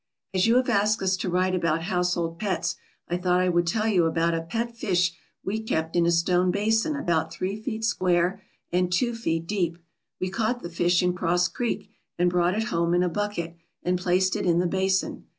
As you have asked us to write about household pets, I thought I would tell you about a pet fish we kept in a stone basin about three feet square and two feet deep. We caught the fish in Cross Creek, and brought it home in a bucket, and placed it in the basin.